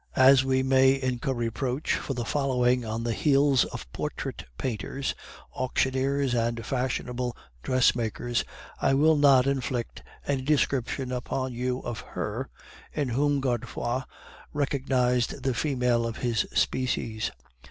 "As we may incur reproach for following on the heels of portrait painters, auctioneers, and fashionable dressmakers, I will not inflict any description upon you of her in whom Godefroid recognized the female of his species.